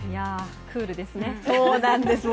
クールですね。